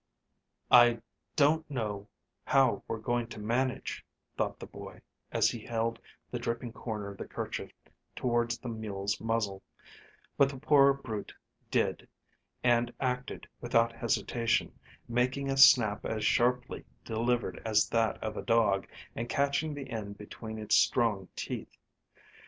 "I don't know how we're going to manage," thought the boy, as he held the dripping corner of the kerchief towards the mule's muzzle; but the poor brute did, and acted without hesitation, making a snap as sharply delivered as that of a dog, and catching the end between its strong teeth.